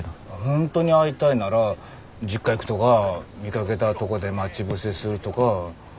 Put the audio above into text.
ホントに会いたいなら実家行くとか見掛けたとこで待ち伏せするとか。